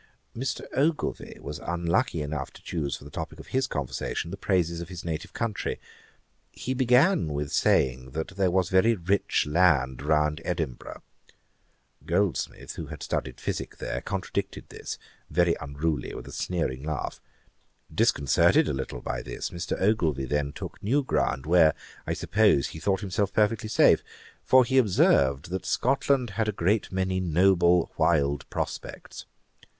Mr. Ogilvie was unlucky enough to choose for the topick of his conversation the praises of his native country. He began with saying, that there was very rich land round Edinburgh. Goldsmith, who had studied physick there, contradicted this, very untruly, with a sneering laugh. Disconcerted a little by this, Mr. Ogilvie then took new ground, where, I suppose, he thought himself perfectly safe; for he observed, that Scotland had a great many noble wild prospects.